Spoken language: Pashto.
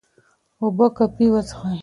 اوبه کافي وڅښئ.